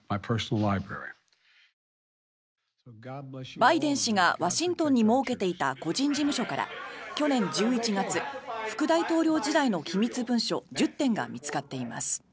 バイデン氏がワシントンに設けていた個人事務所から去年１１月、副大統領時代の機密文書１０点が見つかっています。